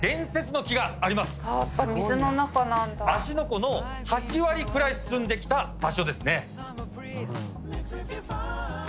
湖の８割くらい進んできた場所ですね。